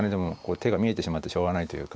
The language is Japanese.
手が見えてしまってしょうがないというか。